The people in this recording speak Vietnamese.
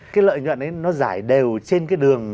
cái lợi nhuận nó giải đều trên cái đường